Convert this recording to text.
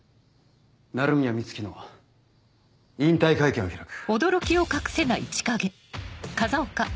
鳴宮美月の引退会見を開く。